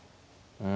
うん。